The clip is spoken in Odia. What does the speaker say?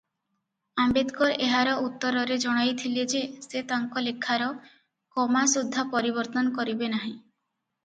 "ଆମ୍ବେଦକର ଏହାର ଉତ୍ତରରେ ଜଣାଇଥିଲେ ଯେ ସେ ତାଙ୍କ ଲେଖାର "କମା ସୁଦ୍ଧା ପରିବର୍ତ୍ତନ କରିବେ ନାହିଁ" ।"